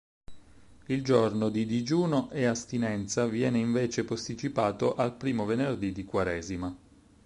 Il giorno di digiuno e astinenza viene invece posticipato al primo venerdì di quaresima.